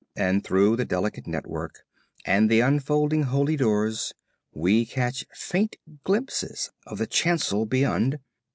And through the delicate network, and the unfolding Holy Doors, we catch faint glimpses of the Chancel beyond.